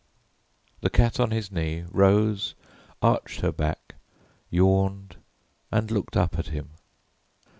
The cat on his knee rose, arched her back, yawned, and looked up at him.